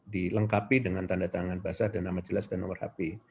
dilengkapi dengan tanda tangan basah dan nama jelas dan nomor hp